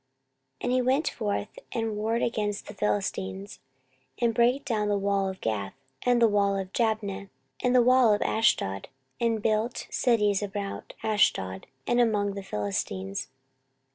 14:026:006 And he went forth and warred against the Philistines, and brake down the wall of Gath, and the wall of Jabneh, and the wall of Ashdod, and built cities about Ashdod, and among the Philistines.